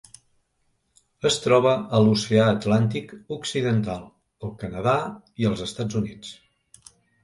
Es troba a l'Oceà Atlàntic occidental: el Canadà i els Estats Units.